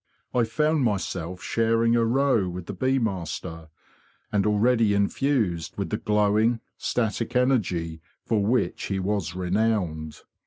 I found myself sharing a row with the bee master, and already infused with the glowing, static energy for which he was re nowned.